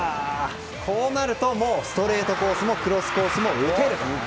こうなるともうストレートコースもクロスコースも打てると。